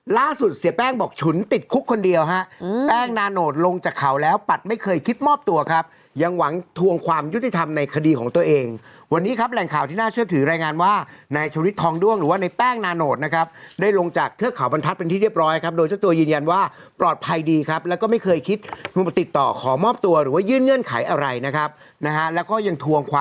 ล่าสุดเสียแป้งบอกฉุนติดคุกคนเดียว